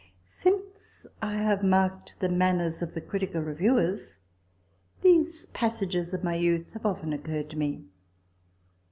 Since I have marked the manners of the Critical Reviewers, these passages of my youth have often occurred tome."